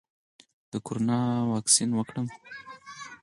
د کرونا واکسین وکړم؟